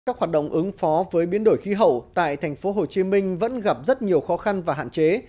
các hoạt động ứng phó với biến đổi khí hậu tại tp hcm vẫn gặp rất nhiều khó khăn và hạn chế